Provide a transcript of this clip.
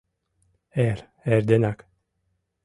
Эр-эрденак.